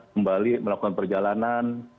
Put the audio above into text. kembali melakukan perjalanan